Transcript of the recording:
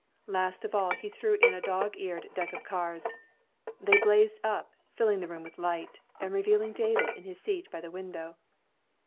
Last of all he threw on a dogeared deck of cards. They blazed up, filling the room with light, and revealing David in his seat by the window.